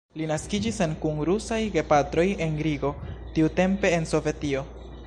Li naskiĝis en kun rusaj gepatroj en Rigo, tiutempe en Sovetio.